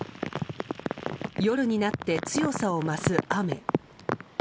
夜になって強さを増す雨。